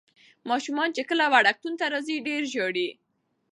ماشومان کله چې وړکتون ته راځي ډېر ژاړي.